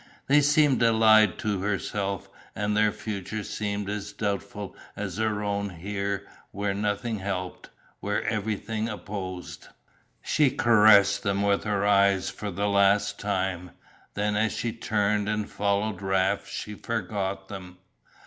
They seemed allied to herself and their future seemed as doubtful as her own here where nothing helped, where everything opposed. She caressed them with her eyes for the last time; then as she turned and followed Raft she forgot them.